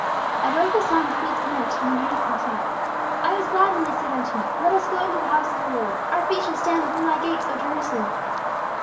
A joyful sound of flutes commenced, and a mighty chorus went up: "I was glad when they said unto me, let us go into the house of the Lord. Our feet shall stand within thy gates, O Jerusalem!"